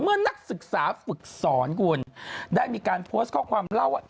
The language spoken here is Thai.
นักศึกษาฝึกสอนคุณได้มีการโพสต์ข้อความเล่าว่า